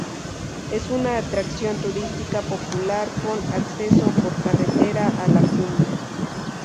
Es una atracción turística popular con acceso por carretera a la cumbre.